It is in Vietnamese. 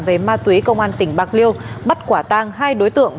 về ma túy công an tỉnh bạc liêu bắt quả tang hai đối tượng